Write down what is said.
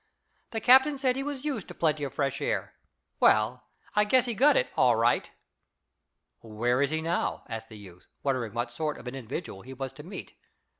The captain said he was used to plenty of fresh air. Well, I guess he got it, all right." "Where is he now?" asked the youth, wondering what sort of an individual he was to meet.